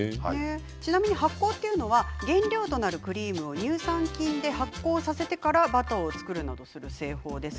ちなみに発酵というのは原料となるクリームを乳酸菌で発酵させてからバターを作ったりする製法です。